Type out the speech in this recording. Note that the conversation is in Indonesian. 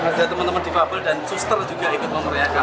ada teman teman difabel dan suster juga ikut memeriakan